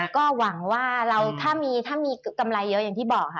ก็หวังว่าถ้ามีกำไรเยอะอย่างที่บอกค่ะ